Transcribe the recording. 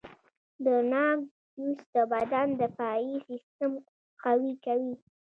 د ناک جوس د بدن دفاعي سیستم قوي کوي.